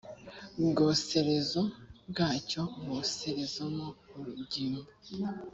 bwoserezo bwacyo awoserezemo urugimbu